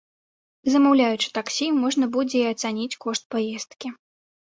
Замаўляючы таксі, можна будзе і ацаніць кошт паездкі.